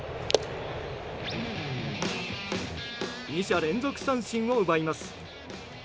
２者連続三振を奪います。